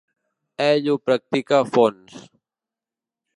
Ell ho practica a fons.